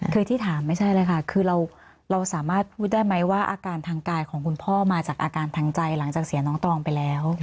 คือที่ถามไม่ใช่เลยค่ะคือเราสามารถพูดได้ไหมว่าอาการทางกายของคุณพ่อมาจากอาการทางใจหลังจากเสียน้องตองไปแล้ว